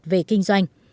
về kinh doanh